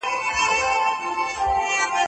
که باران نه وای، نو موږ به نن سیل ته تللي وو.